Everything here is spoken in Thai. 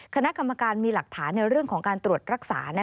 คณะกรรมการมีหลักฐานในเรื่องของการตรวจรักษา